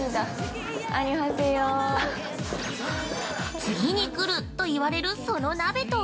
次に来ると言われるその鍋とは？